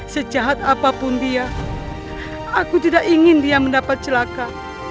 sejahat apapun dia aku tidak ingin dia mendapat celaka